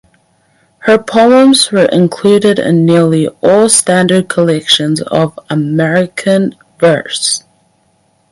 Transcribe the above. Her poems were included in nearly all standard collections of American verse.